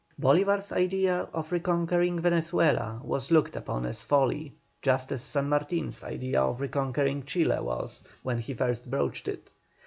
Bolívar's idea of reconquering Venezuela was looked upon as folly, just as San Martin's idea of reconquering Chile was when he first broached it.